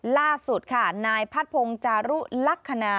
ล่าสุดค่ะนายพัดพงศ์จารุลักษณะ